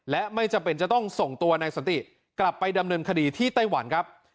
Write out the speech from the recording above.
และไม่จำเป็นจะต้องส่งตัวนายสันติกลับไปดำเนินคดีที่ไต้หวันครับ